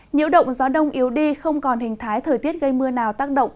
nhiễu động gió đông yếu đi không còn hình thái thời tiết gây mưa nào tác động